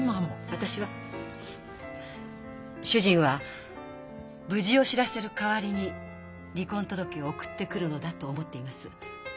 私は主人は無事を知らせる代わりに離婚届を送ってくるのだと思っています。